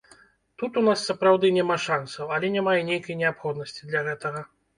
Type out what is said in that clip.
Тут у нас, сапраўды, няма шансаў, але няма і нейкай неабходнасці для гэтага.